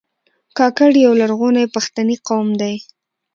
کاکړ یو لرغونی پښتنی قوم دی.